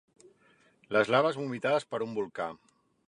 Les laves vomitades per un volcà.